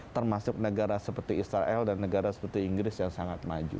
termasuk negara seperti israel dan negara seperti inggris yang sangat maju